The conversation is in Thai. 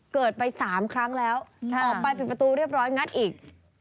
เกิดไป๓ครั้งแล้วออกไปปิดประตูเรียบร้อยงัดอีก